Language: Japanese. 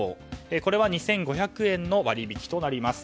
これは２５００円の割引となります。